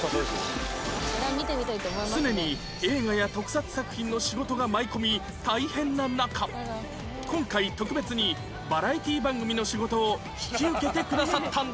常に映画や特撮作品の仕事が舞い込み大変な中今回特別にバラエティー番組の仕事を引き受けてくださったんです